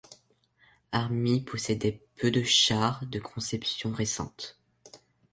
Army possédait peu de chars de conception récente.